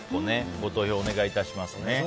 ご投票をお願いしますね。